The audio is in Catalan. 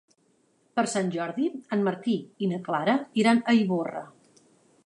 Per Sant Jordi en Martí i na Clara iran a Ivorra.